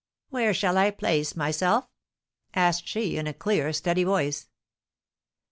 "Where shall I place myself?" asked she, in a clear, steady voice.